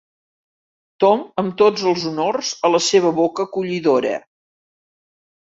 Tom amb tots els honors a la seva boca acollidora.